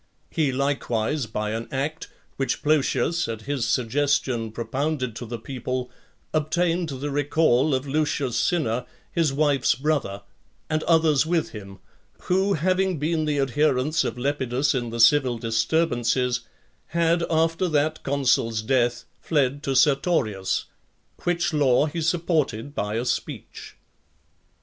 He likewise, by an act, which Plotius at his suggestion propounded to the people, obtained the recall of Lucius Cinna, his wife's brother, and others with him, who having been the adherents of Lepidus in the civil disturbances, had after that consul's death fled to Sertorius ; which law he supported by a speech.